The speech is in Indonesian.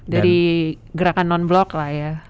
dari gerakan non blok lah ya